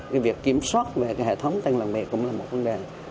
cái việc kiểm soát về cái hệ thống tên làng nghề cũng là một vấn đề